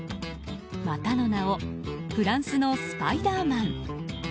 またの名をフランスのスパイダーマン。